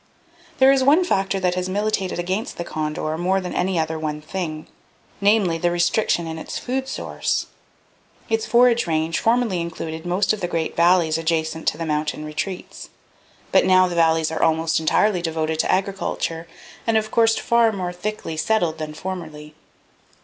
"There is one factor that has militated against the condor more than any other one thing; namely, the restriction in its food source. Its forage range formerly included most of the great valleys adjacent to its mountain retreats. But now the valleys are almost entirely devoted to agriculture, and of course far more thickly settled than formerly.